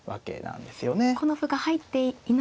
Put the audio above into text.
この歩が入っていないと。